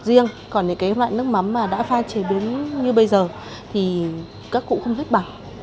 nhưng còn những loại nước mắm mà đã pha chế biến như bây giờ thì các cụ không thích bằng